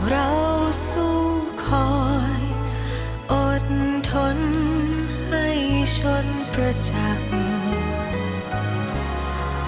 เราสู้คอยอดทนให้ชนประจักษ์